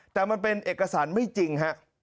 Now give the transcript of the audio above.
แต่มันเป็นเอกสารไม่จริงฮะ